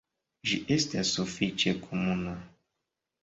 Ĝi estas sufiĉe komuna.